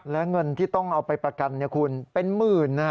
และเงินที่ต้องเอาไปประกันคุณเป็นหมื่น